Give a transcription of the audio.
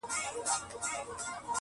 • فرعون او هامان -